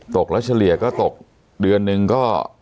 ตกแล้วเฉลี่ยก็ตกเดือนหนึ่งก็